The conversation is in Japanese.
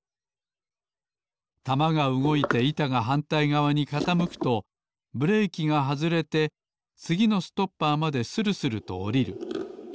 玉がうごいていたがはんたいがわにかたむくとブレーキがはずれてつぎのストッパーまでするするとおりる。